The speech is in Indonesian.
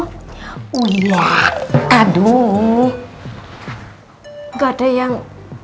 oh iya aduh gak ada yang